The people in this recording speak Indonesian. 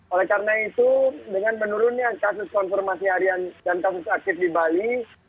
oleh karena itu dengan menurunnya kasus konfirmasi harian dan kasus aktif di bali